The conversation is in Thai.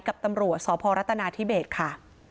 กับตำรวจสพรัฐนาธิเบสค่ะ